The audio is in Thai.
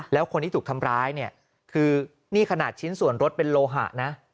แล้วคนที่ถูกทำร้ายเนี่ยคือนี่ขนาดชิ้นส่วนรถเป็นโลหะนะ